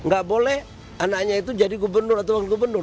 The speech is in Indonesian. gak boleh anaknya itu jadi gubernur atau wakil gubernur